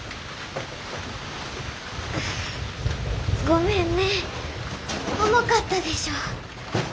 ごめんね重かったでしょ。